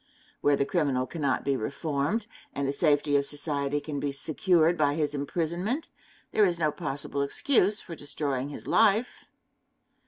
Where the criminal cannot be reformed, and the safety of society can be secured by his imprisonment, there is no possible excuse for destroying his life.